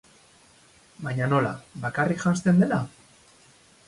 Baina nola, bakarrik janzten dela?